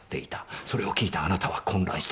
それを聞いたあなたは混乱した。